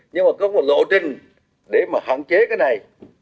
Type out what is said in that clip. nhưng mà có một lộ trình để mà hạn chế cái này